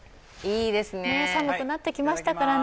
寒くなってきましたからね。